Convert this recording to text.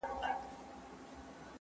زه موبایل کارولی دی!.